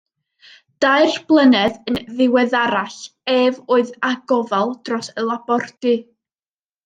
Dair blynedd yn ddiweddarach, ef oedd â gofal dros y labordy.